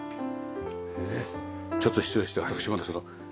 ちょっと失礼して私も。